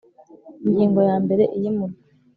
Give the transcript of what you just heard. Ingingo ya mbere iyimurwa